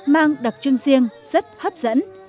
mang đặc trưng riêng rất hấp dẫn